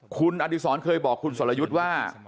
คุณอดีศรเคยบอกคุณสรยุทธ์ว่า